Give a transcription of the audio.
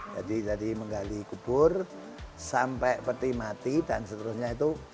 jadi jadi menggali kubur sampai peti mati dan seterusnya itu